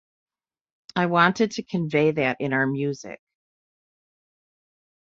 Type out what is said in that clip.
I wanted to convey that in our music.